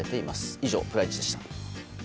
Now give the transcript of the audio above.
以上、プライチでした。